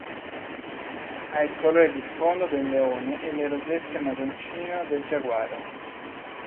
Ha il colore di sfondo del leone e le rosette marroncino del giaguaro.